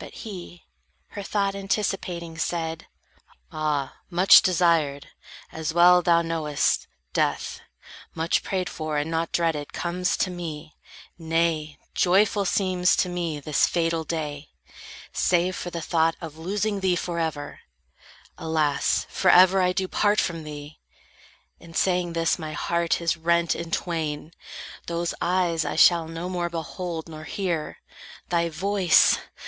But he, her thought anticipating, said: "Ah, much desired, as well thou knowest, death, Much prayed for, and not dreaded, comes to me; Nay, joyful seems to me this fatal day, Save for the thought of losing thee forever; Alas, forever do I part from thee! In saying this my heart is rent in twain. Those eyes I shall no more behold, nor hear Thy voice.